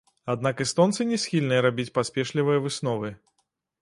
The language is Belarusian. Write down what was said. Аднак эстонцы не схільныя рабіць паспешлівыя высновы.